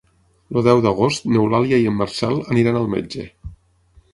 El deu d'agost n'Eulàlia i en Marcel aniran al metge.